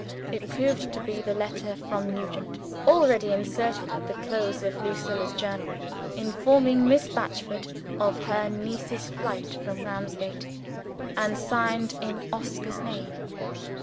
It proved to be the letter from Nugent (already inserted at the close of Lucilla's Journal), informing Miss Batchford of her niece's flight from Ramsgate, and signed in Oscar's name.